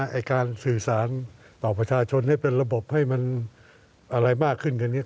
การสื่อสารต่อประชาชนให้เป็นระบบให้มันอะไรมากขึ้นกันนี้